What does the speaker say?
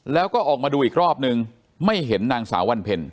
แล้วก็ออกมาดูอีกรอบนึงไม่เห็นนางสาววันเพ็ญ